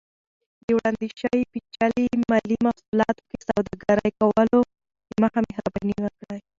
د وړاندیز شوي پیچلي مالي محصولاتو کې سوداګرۍ کولو دمخه، مهرباني وکړئ